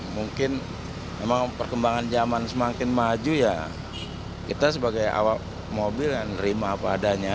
mungkin memang perkembangan zaman semakin maju ya kita sebagai awak mobil yang nerima apa adanya